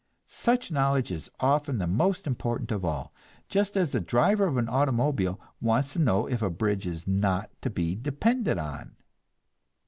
Such knowledge is often the most important of all just as the driver of an automobile wants to know if a bridge is not to be depended on.